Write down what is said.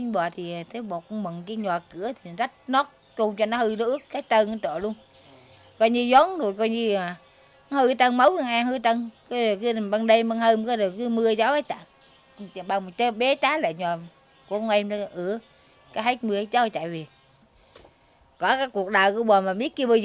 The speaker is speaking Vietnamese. bộ chỉ huy bộ đội biên phòng tỉnh đắk lắc đã hỗ trợ năm mươi triệu đồng để xây dựng mái ấm biên cương cho gia đình bà đoàn thị hồng